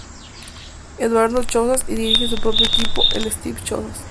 Eduardo Chozas y dirige su propio equipo: el Esteve-Chozas.